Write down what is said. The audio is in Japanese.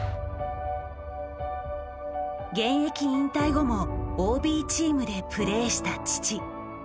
現役引退後もＯＢチームでプレーした父。